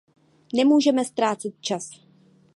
Nemůžeme ztrácet čas!